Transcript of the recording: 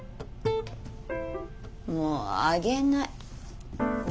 もうあげない。